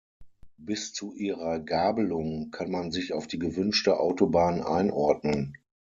Bis zu ihrer Gabelung kann man sich auf die gewünschte Autobahn einordnen.